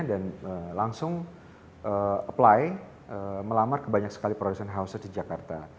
dan langsung apply melamar ke banyak sekali production houses di jakarta